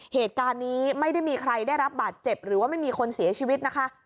เหตุการณ์นี้ไม่ได้มีใครได้รับบาดเจ็บหรือว่าไม่มีคนเสียชีวิตนะคะ